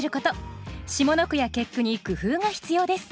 下の句や結句に工夫が必要です。